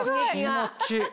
気持ちいい。